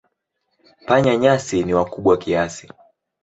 Panya-nyasi ni wakubwa kiasi.